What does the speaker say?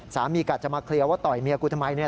กะจะมาเคลียร์ว่าต่อยเมียกูทำไมเนี่ย